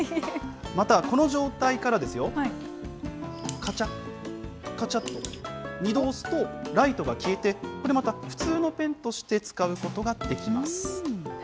またこの状態からですよ、かちゃっ、かちゃっと、２度押すと、ライトが消えて、これまた普通のペンとして使うことができます。